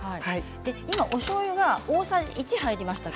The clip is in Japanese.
今、おしょうゆが大さじ１入りました。